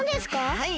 はい。